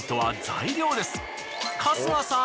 春日さん